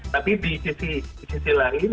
tapi di sisi lain